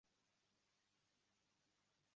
Qo`limizdan boshqa nima ham kelardi